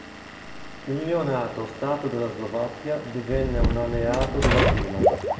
Il neonato stato della Slovacchia divenne un alleato della prima.